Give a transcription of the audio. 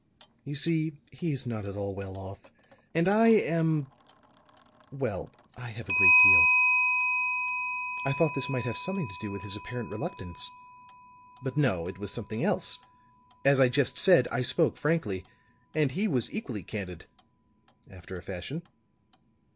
"You see, he is not at all well off, and I am well I have a great deal. I thought this might have something to do with his apparent reluctance. But no, it was something else. As I just said, I spoke frankly; and he was equally candid, after a fashion.